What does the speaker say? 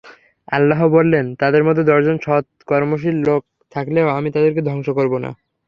আল্লাহ বলেন, তাদের মধ্যে দশজন সৎকর্মশীল লোক থাকলেও আমি তাদেরকে ধ্বংস করব না।